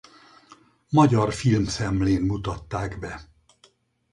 Magyar Filmszemlén mutatták be.